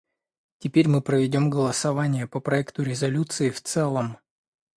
Теперь мы проведем голосование по проекту резолюции в целом.